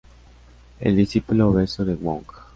El discípulo obeso de Wong.